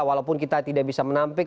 walaupun kita tidak bisa menampik